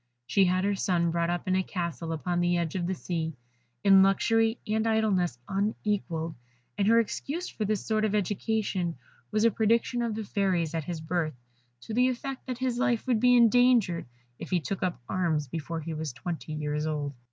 She had her son brought up in a castle upon the edge of the sea, in luxury and idleness unequalled; and her excuse for this sort of education was a prediction of the Fairies at his birth, to the effect that his life would be endangered if he took up arms before he was twenty years old.